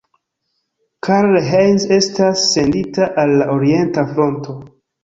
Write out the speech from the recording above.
Karl Heinz estas sendita al la orienta fronto.